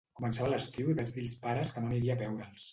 Començava l’estiu i vaig dir als pares que no aniria a veure’ls.